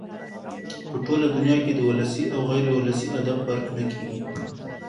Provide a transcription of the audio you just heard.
په ټوله دونیا کښي د ولسي او غیر اولسي ادب فرق نه کېږي.